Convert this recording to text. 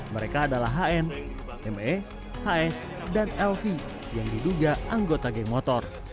mereka adalah hn me hs dan lv yang diduga anggota geng motor